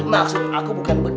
maksud aku bukan begitu